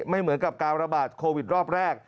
เหมือนกับการระบาดโควิดรอบแรก